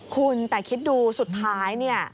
คุณแต่คิดดูสุดท้าย